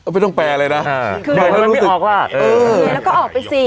ไม่ต้องแปลเลยนะอ่าไม่ออกล่ะเออเนื่อยแล้วก็ออกไปสิ